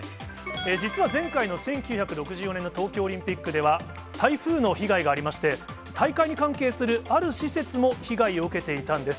実は前回の１９６４年の東京オリンピックでは、台風の被害がありまして、大会に関係するある施設も被害を受けていたんです。